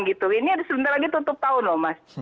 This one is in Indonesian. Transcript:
ini sebentar lagi tutup tahun loh mas